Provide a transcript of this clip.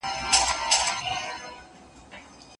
که ته په املا کي هره کلمه په سمه توګه ولیکې.